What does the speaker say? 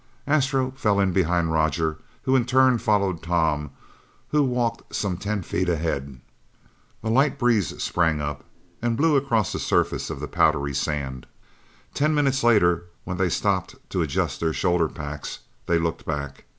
Astro fell in behind Roger, who in turn followed Tom who walked some ten feet ahead. A light breeze sprang up and blew across the surface of the powdery sand. Ten minutes later, when they stopped to adjust their shoulder packs, they looked back.